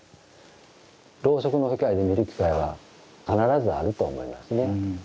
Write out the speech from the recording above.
ろうそくの光で見る機会は必ずあると思いますね。